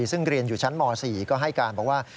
ซึ่งเรียนอยู่ชั้นม๔ก็ให้การบอกว่า